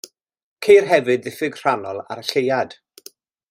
Ceir hefyd ddiffyg rhannol ar y lleuad.